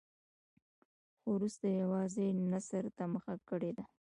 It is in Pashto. خو وروسته یې یوازې نثر ته مخه کړې ده.